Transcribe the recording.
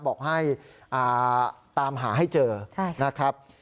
บอกให้ตามหาให้เจอนะครับ